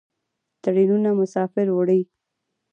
ټرینونه مسافر وړي.